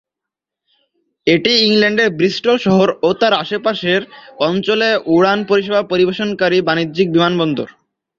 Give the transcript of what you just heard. এটি ইংল্যান্ডের ব্রিস্টল শহর ও তার আশেপাশের অঞ্চলে উড়ান পরিষেবা পরিবেশনকারী বাণিজ্যিক বিমানবন্দর।